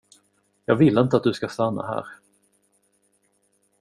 Jag vill inte att du ska stanna här.